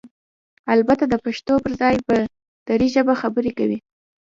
البته دپښتو پرځای په ډري ژبه خبرې کوي؟!